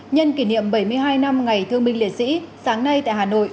nhân kỷ niệm bảy mươi hai năm ngày thương binh liệt sĩ sáng nay tại hà nội